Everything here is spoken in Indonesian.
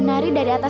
nah hidup di allah